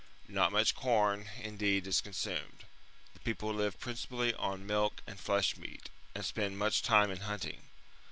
Not much corn, indeed, is 55 b.c. consumed ; the people live principally on milk and flesh meat, and spend much time in hunting.